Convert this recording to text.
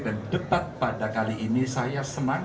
dan tepat pada kali ini saya senang